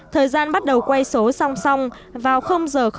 thời gian bắt đầu quay số song song vào h